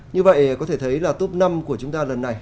như vậy có thể thấy là top năm của chúng ta lần này